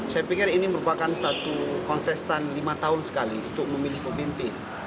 saya pikir ini merupakan satu kontestan lima tahun sekali untuk memilih pemimpin